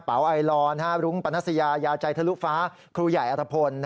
ไอลอนรุ้งปนัสยายาใจทะลุฟ้าครูใหญ่อัตภพล